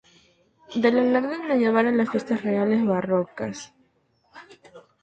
Del Alarde Medieval a las Fiestas Reales Barrocas ss.